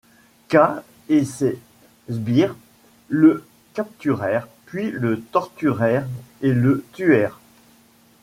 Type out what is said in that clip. K et ses sbires le capturèrent puis le torturèrent et le tuèrent.